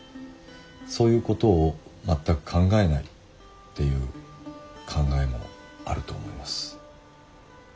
そういうことを全く考えないっていう考えもあると思います。